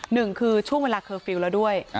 หนึ่งคือช่วงเวลาเคอร์ฟิลล์แล้วด้วย